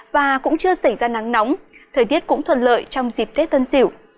và cũng chưa xảy ra nắng nóng thời tiết cũng thuận lợi trong dịp tết tân sỉu